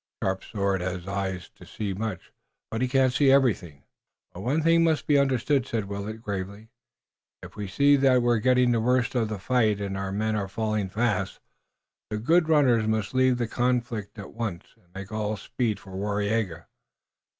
"Sharp Sword has eyes to see much, but he cannot see everything." "But one thing must be understood," said Willet, gravely. "If we see that we are getting the worst of the fight and our men are falling fast, the good runners must leave the conflict at once and make all speed for Waraiyageh.